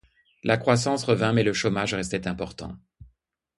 La croissance revint mais le chômage restait important.